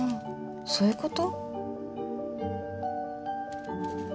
そういうこと？